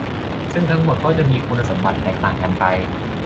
ซึ่งทั้งหมดก็จะมีคุณสมบัติแตกต่างกันไป